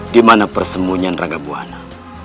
di mana persembunyian rangabuana